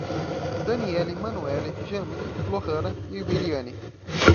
Danielly, Manuele, Jamily, Lorrana e Wiliane